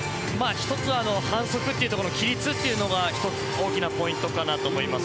１つは、反則というところ規律というのが大きなポイントかなと思います。